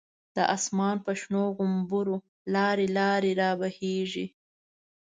د آسمان په شنو غومبرو، لاری لاری رابهیږی